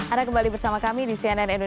anda kembali bersama kami di cnn indonesia